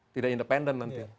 tidak independen nanti